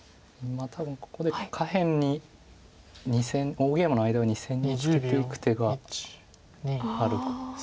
多分ここで下辺に２線大ゲイマの間を２線にツケていく手があるかどうか。